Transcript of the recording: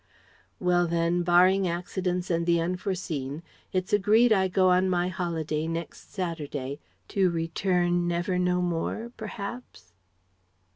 "Well, then, barring accidents and the unforeseen, it's agreed I go on my holiday next Saturday, to return never no more perhaps